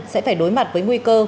sẽ phải đối mặt với nguy cơ